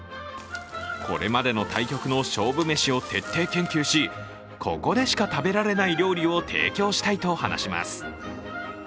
これまでの対局の勝負めしを徹底研究し、ここでしか食べられない料理を提供したいと話します。